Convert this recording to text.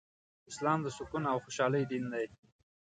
اسلام د سکون او خوشحالۍ دين دی